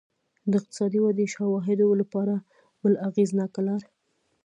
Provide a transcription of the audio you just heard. د اقتصادي ودې شواهدو لپاره بله اغېزناکه لار